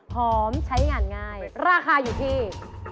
พร้อมใช้งานง่ายราคาอยู่ที่